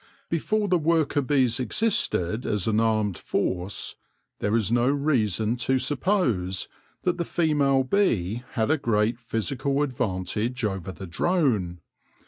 Before the worker bees existed as an armed force, there is no reason to suppose that the female bee had a great physical advantage over the drone.